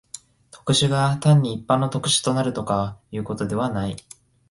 特殊が単に一般の特殊となるとかいうことではない。